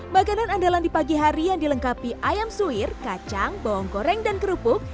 makanan andalan di pagi hari yang dilengkapi ayam suwir kacang bawang goreng dan kerupuk